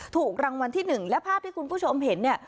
ถูกรางวัลที่๑และภาพที่คุณผู้ชมเห็นเนี่ย